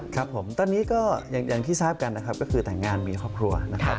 ครับผมตอนนี้ก็อย่างที่ทราบกันนะครับก็คือแต่งงานมีครอบครัวนะครับ